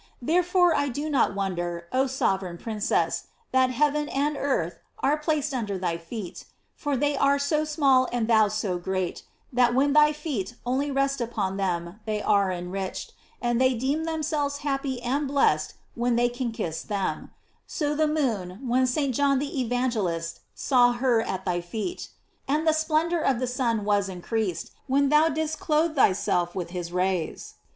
Therefore I do not wonder, oh sovereign princess, that heaven and earth are placed under thy feet; for they are so small and thou so great, that when thy feet only rest upon them they are enriched, and they deem themselves happy and blessed when they can kiss them: so the moon when St. John the Evangelist saw her at thy feet. And the splendor of the sun was increased, when thou didst clothe thyself with his rays.